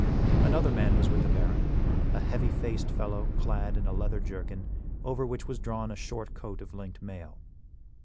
Another man was with the Baron, a heavy faced fellow clad in a leathern jerkin over which was drawn a short coat of linked mail.